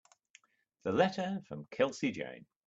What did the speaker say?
The letter from Kelsey Jane.